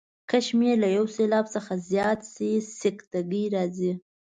که شمېر له یو سېلاب څخه زیات شي سکته ګي راځي.